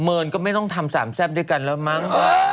เนินก็ไม่ต้องทำสามแซ่บด้วยกันแล้วมั้ง